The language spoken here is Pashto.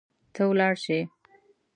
ته ولاړ شي